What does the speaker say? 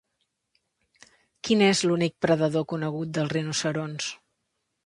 Quin és l'únic predador conegut dels rinoceronts?